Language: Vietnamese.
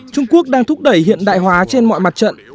trung quốc đang thúc đẩy hiện đại hóa trên mọi mặt trận